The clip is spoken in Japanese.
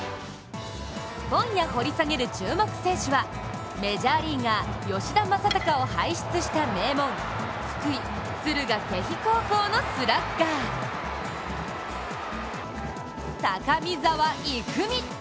今夜掘り下げる注目選手は、メジャーリーガー、吉田正尚を輩出した名門、福井、敦賀気比高校のスラッガー高見澤郁魅。